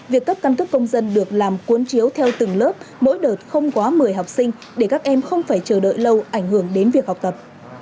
việc cấp căn cước công dân được làm cuốn chiếu theo từng lớp mỗi đợt không quá một mươi học sinh để các em không phải chờ đợi lâu ảnh hưởng đến việc học tập